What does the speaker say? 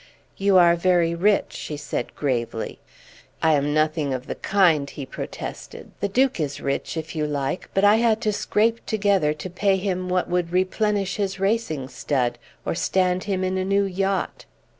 "You are very rich," she said gravely. "I am nothing of the kind," he protested. "The Duke is rich, if you like, but I had to scrape together to pay him what would replenish his racing stud, or stand him in a new yacht."